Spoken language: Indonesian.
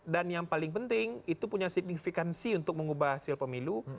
dan yang paling penting itu punya signifikansi untuk mengubah hasil pemilu